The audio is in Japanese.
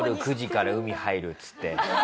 夜９時から海入るっつって。